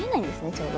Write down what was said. ちょうど。